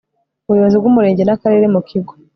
ubuyobozi bw umurenge n akarere mu kigo